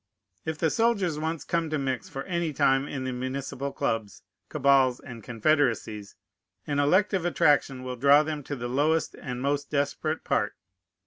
If the soldiers once come to mix for any time in the municipal clubs, cabals, and confederacies, an elective attraction will draw them to the lowest and most desperate part.